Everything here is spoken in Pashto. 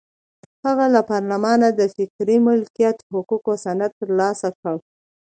هغه له پارلمانه د فکري مالکیت حقوقو سند ترلاسه کړ.